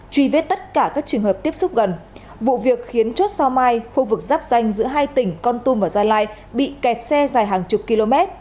truy vết tất cả các trường hợp tiếp xúc gần vụ việc khiến chốt sao mai khu vực giáp danh giữa hai tỉnh con tum và gia lai bị kẹt xe dài hàng chục km